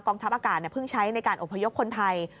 ทัพอากาศเพิ่งใช้ในการอบพยพคนไทย